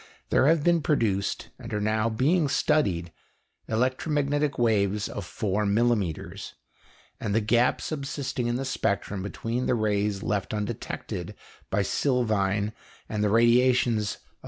There have been produced, and are now being studied, electromagnetic waves of four millimetres; and the gap subsisting in the spectrum between the rays left undetected by sylvine and the radiations of M.